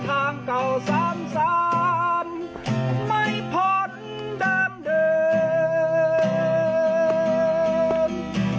จากเจ้าจนคำยันอีกวันขนไพรตากินถามอันเดิม